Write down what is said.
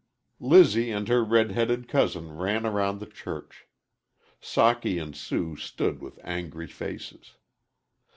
Lizzie and her red headed cousin ran around the church. Socky and Sue stood with angry faces.